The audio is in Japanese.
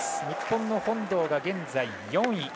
日本の本堂が現在、４位。